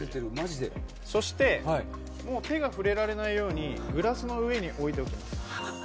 そしてもう手が触れられないようにグラスの上に置いておきます。